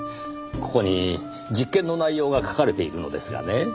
ここに実験の内容が書かれているのですがね